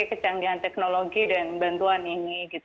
kecanggihan teknologi dan bantuan ini